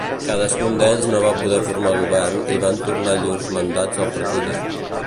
Cadascun d'ells no va poder formar govern i van tornar llurs mandats al president.